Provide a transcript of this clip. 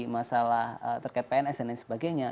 masalah terkait pns dan lain sebagainya